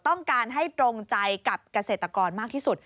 ต้องการให้ตรงใจกับเกษตรกรมากที่สุด